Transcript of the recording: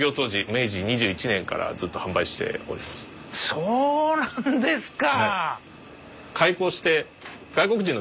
そうなんですか！